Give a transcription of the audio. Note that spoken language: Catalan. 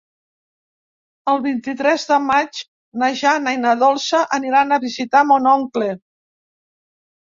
El vint-i-tres de maig na Jana i na Dolça aniran a visitar mon oncle.